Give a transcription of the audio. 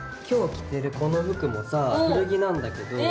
今日着てるこの服もさ古着なんだけど。